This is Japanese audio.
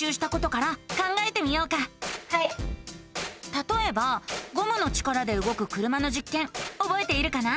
たとえばゴムの力でうごく車のじっけんおぼえているかな？